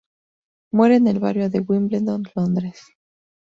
Muere en el barrio de Wimbledon, Londres.